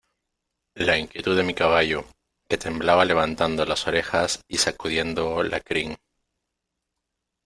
la inquietud de mi caballo, que temblaba levantando las orejas y sacudiendo la crin ,